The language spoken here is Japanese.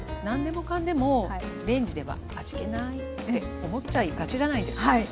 何でもかんでもレンジでは味気ないって思っちゃいがちじゃないですか？